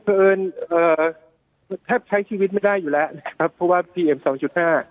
เพราะเอิญเอ่อแทบใช้ชีวิตไม่ได้อยู่แล้วนะครับเพราะว่าพีเอ็มสองจุดห้า